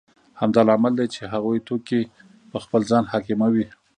همدا لامل دی چې هغوی توکي په خپل ځان حاکموي